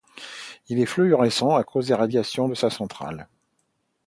Il est fluorescent à cause des radiations de sa centrale.